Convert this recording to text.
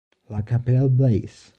La Capelle-Bleys